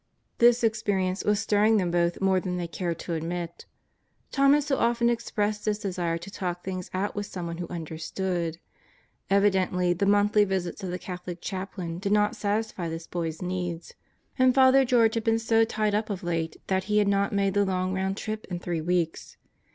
This experience was stirring them both more than they cared to admit. Tom had so often expressed his desire to talk things out with someone who understood. Evidently, the monthly visits of the Catholic chaplain did not satisfy this boy's needs, and Father George had been so tied up of late that he had not made the long round trip in three weeks.